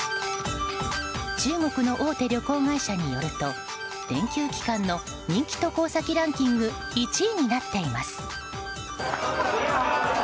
中国の大手旅行会社によると連休期間の人気渡航先ランキング１位になっています。